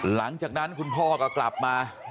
หลังจากนั้นคุณพ่อก็กลับมา